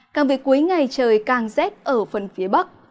càng về cuối ngày trời càng rét ở phần phía bắc